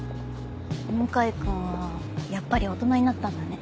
向井君はやっぱり大人になったんだね。